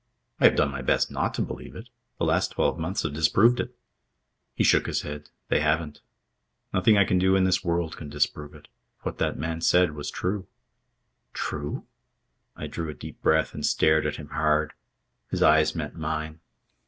"I have done my best not to believe it. The last twelve months have disproved it." He shook his head. "They haven't. Nothing I can do in this world can disprove it. What that man said was true." "True?" I drew a deep breath and stared at him hard. His eyes met mine.